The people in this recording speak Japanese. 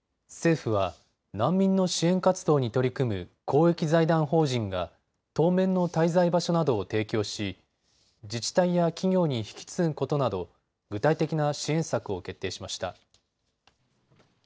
政府は難民の支援活動に取り組む公益財団法人が当面の滞在場所などを提供し自治体や企業に引き継ぐことなど具体的な支援策を決定しました。